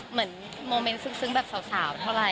เหมือนเปลี่ยนซึ้งสาวสาวเท่าไร